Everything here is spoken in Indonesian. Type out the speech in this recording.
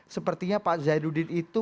sepertinya pak zainuddin itu